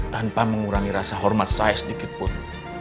tanpa mengurangi rasa hormat saya sedikit pun